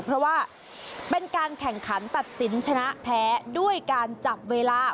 เพราะว่าเป็นการแข่งขันตัดสินชนะแพ้ด้วยการจับเวลา